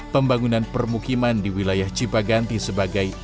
pembangunan permukiman di wilayah cipaganti sebagai